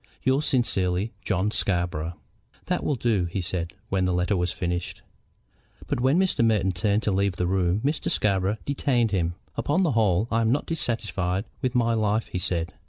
"Yours sincerely, JOHN SCARBOROUGH." "That will do," he said, when the letter was finished. But when Mr. Merton turned to leave the room Mr. Scarborough detained him. "Upon the whole, I am not dissatisfied with my life," he said.